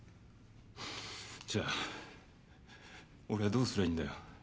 じゃあ俺はどうすりゃいいんだよ？